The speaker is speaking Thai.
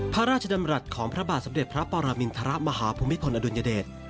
พระราชดำรัฐของพระบาทสมเด็จพระปรมินทรมาฮภูมิพลอดุลยเดช